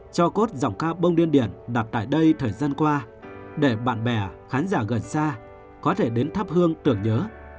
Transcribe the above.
cho cốt giọng ca bông điên điển đặt tại đây thời gian qua để bạn bè khán giả gần xa có thể đến thắp hương tưởng nhớ